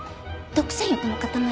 独占欲の塊。